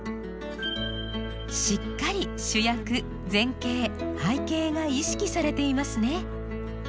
しっかり主役前景背景が意識されていますね。